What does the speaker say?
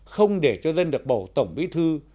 không để cho dân được bầu tổng bí thư